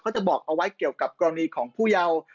จะบอกเอาไว้เกี่ยวกับกรณีของผู้เยาว์